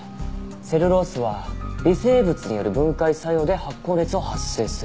セルロースは微生物による分解作用で発酵熱を発生する。